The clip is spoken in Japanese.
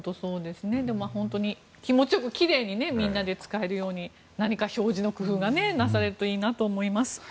でも、みんなで気持ちよく奇麗に使えるように何か表示の工夫がなされるといいと思います。